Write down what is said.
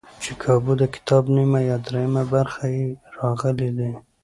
چې کابو دکتاب نیمه یا درېیمه برخه یې راغلي دي.